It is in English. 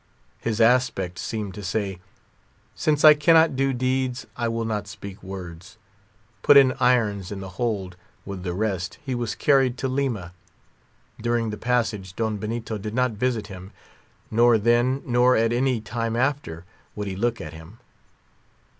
His aspect seemed to say, since I cannot do deeds, I will not speak words. Put in irons in the hold, with the rest, he was carried to Lima. During the passage, Don Benito did not visit him. Nor then, nor at any time after, would he look at him.